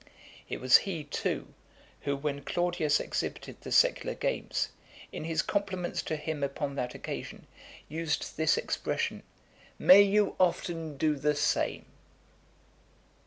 It was he, too, who, when Claudius exhibited the secular games, in his compliments to him upon that occasion, used this expression, "May you often do the same."